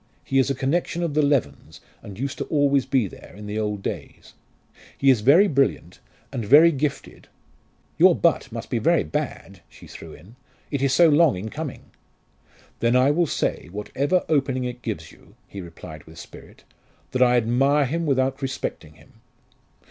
"He is a connection of the Levens, and used to be always there in old days. He is very brilliant and very gifted " "Your 'but' must be very bad," she threw in, "it is so long in coming." "Then I will say, whatever opening it gives you," he replied with spirit, "that I admire him without respecting him."